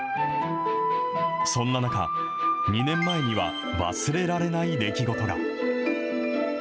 そんな中、２年前には忘れられない出来事が。